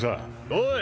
おい